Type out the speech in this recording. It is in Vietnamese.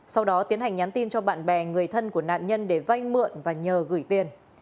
sau đó tiến hành nhắn tin cho bạn bè người thân của nạn nhân để vay mượn và nhờ gửi tiền